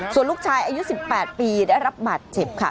ส่วนลูกชายอายุ๑๘ปีได้รับบาดเจ็บค่ะ